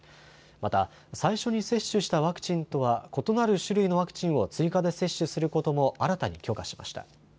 また最初に接種したワクチンとは異なる種類のワクチンを追加で接種することも新たに許可しました。